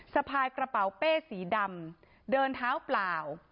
สะพายกระเป๋าเป้สีดำเดินเท้าเปล่า